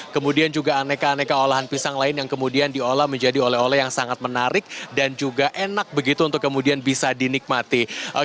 kemudian juga aneka aneka olahan pisang lain yang kemudian diolah menjadi oleh oleh yang sangat menarik dan juga enak begitu untuk kemudian bisa dinikmati